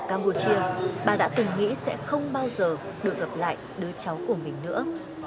campuchia bà đã từng nghĩ sẽ không bao giờ được gặp lại đứa cháu của mình nữa